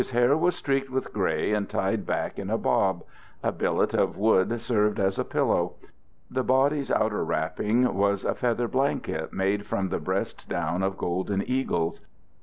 His hair was streaked with gray and tied back in a bob; a billet of wood served as a pillow. The body's outer wrapping was a feather blanket made from the breast down of golden eagles.